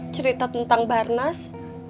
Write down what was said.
cerita tentang barnas